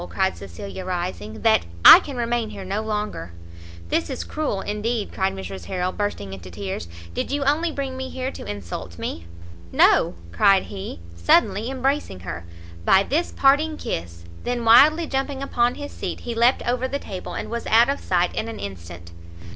cried Cecilia, rising, "[that] I can remain here no longer." "This is cruel indeed," cried Mrs. Harrel, bursting into tears; "did you only bring me here to insult me?" "No!" cried he, suddenly embracing her, "by this parting kiss!" then wildly jumping upon his seat, he leapt over the table, and was out of sight in an instant.